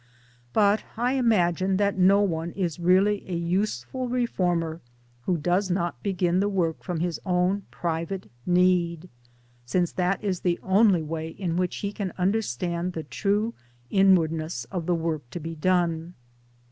But I imagine that no, one is really a useful reformer whja does not begin the work from his own private need, since that is the only way in which he can understand the true inward ness of the work to be done.